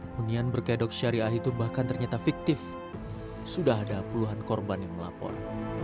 hunian berkedok syariah itu bahkan ternyata fiktif sudah ada puluhan korban yang melapor